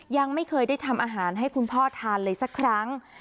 ยังไม่เคยได้ทำอาหารให้คุณพ่อทานเลยสักครั้ง